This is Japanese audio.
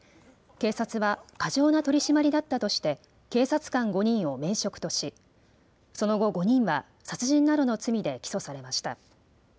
警察は過剰な取締りだったとして警察官５人を免職としその後５人は殺人などの罪で起訴されました。